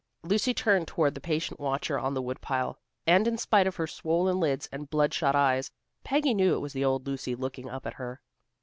Lucy turned toward the patient watcher on the woodpile, and in spite of her swollen lids and blood shot eyes, Peggy knew it was the old Lucy looking up at her.